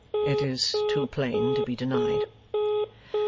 It is too plain to be denied.